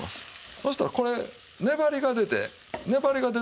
そしたらこれ粘りが出て粘りが出てくるんですよ。